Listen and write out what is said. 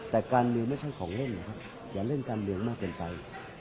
แต่การเมืองไม่ใช่ของเล่นนะครับอย่าเล่นการเมืองมากเกินไป